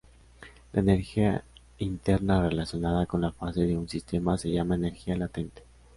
La energía interna relacionada con la fase de un sistema se llama energía latente.